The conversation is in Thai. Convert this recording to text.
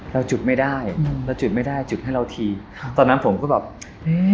เราจุดไม่ได้อืมเราจุดไม่ได้จุดให้เราทีครับตอนนั้นผมก็แบบอืม